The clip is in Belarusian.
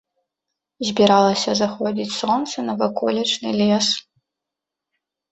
Збіралася заходзіць сонца на ваколічны лес.